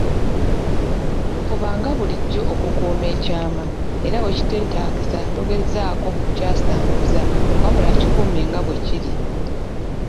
Fubanga bulijjo okukuuma ekyama era wekiteetagisiza togezaako kukyasanguza, wabula kikuume nga bwekiri.